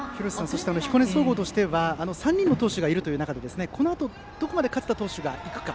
彦根総合としては３人の投手がいるという中でこのあと、どこまで勝田投手が行くか。